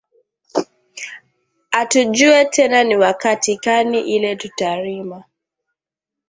Atu jue tena ni wakati kani ile tuta rima